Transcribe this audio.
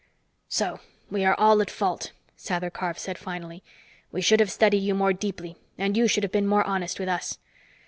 "So we are all at fault," Sather Karf said finally. "We should have studied you more deeply and you should have been more honest with us.